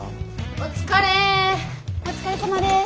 お疲れさまです。